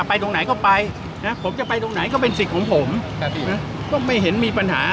พี่ต่อก่อนเมื่อกี้มาให้ติดตามเมืองคดีอะไร